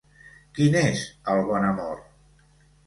Quin és el bon amor?